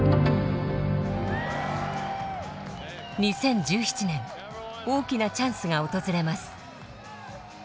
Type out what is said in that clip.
２０１７年大きなチャンスが訪れます。